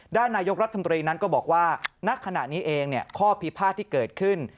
ด้านนายกรัฐมนตรีนั้นก็บอกว่าณขณะนี้เองข้อพิพาทที่เกิดขึ้น